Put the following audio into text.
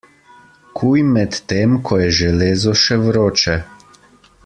Kuj medtem ko je železo še vroče.